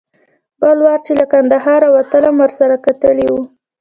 بل وار چې له کندهاره وتلم ورسره کتلي و.